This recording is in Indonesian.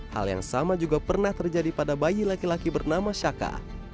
hal yang sama juga pernah terjadi pada bayi laki laki bernama syaka